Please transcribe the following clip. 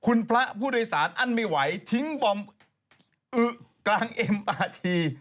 คุณพระผู้โดยสารอั้นไม่ไหวทิ้งบอมอึกลางเอ็มอาที